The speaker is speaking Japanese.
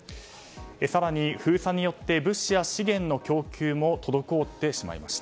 更に封鎖によって物資や資源の供給も滞ってしまいました。